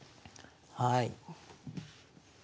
はい。